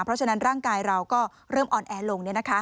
เพราะฉะนั้นร่างกายเราก็เริ่มอ่อนแอลง